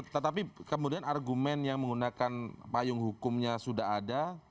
tetapi kemudian argumen yang menggunakan payung hukumnya sudah ada